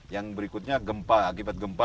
yang berikutnya gempa akibat gempa